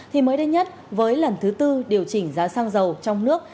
thì mới đây nhất với lần thứ tư điều chỉnh giá xăng dầu trong nước